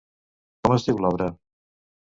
Com es diu l'obra?